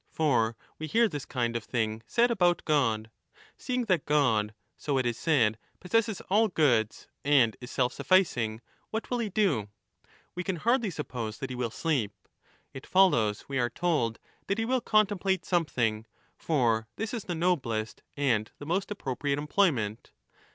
For we hear this kind of thing said about God. Seeing that God, so it is said, possesses all goods and is self sufficing, what will he do? We can hardly suppose that he will sleep. It follows, we are told, that he will 1213* contemplate something ; for this is the noblest and the most appropriate employment.